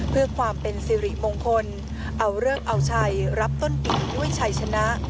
เพื่อความเป็นสิริมงคลเอาเลิกเอาชัยรับต้นปีด้วยชัยชนะ